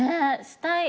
したい。